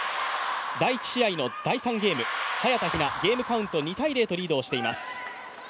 第１試合の第３ゲーム、早田ひな、ゲームカウント２−０とリードしています。